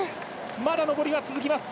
まだ上りが続きます。